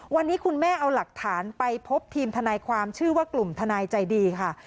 วันนี้คุณแม่เอาหลักฐานไปพบทีมทนายความชื่อว่ากลุ่มทนายใจดีค่ะ